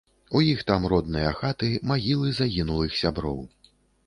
У іх там родныя хаты, магілы загінулых сяброў.